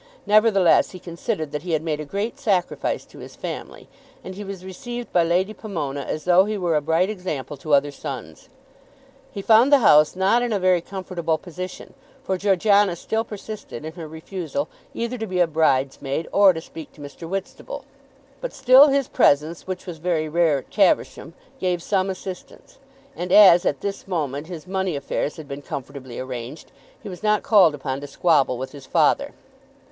Nevertheless, he considered that he had made a great sacrifice to his family, and he was received by Lady Pomona as though he were a bright example to other sons. He found the house not in a very comfortable position, for Georgiana still persisted in her refusal either to be a bridesmaid or to speak to Mr. Whitstable; but still his presence, which was very rare at Caversham, gave some assistance: and, as at this moment his money affairs had been comfortably arranged, he was not called upon to squabble with his father.